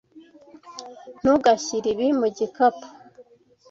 Ntugashyire ibi mu gikapu.